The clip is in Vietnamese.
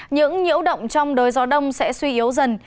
những nhiễu động trong đới gió đông sẽ suy yếu dần